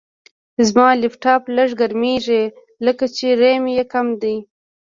زما لپټاپ لږ ګرمېږي، لکه چې ریم یې کم دی.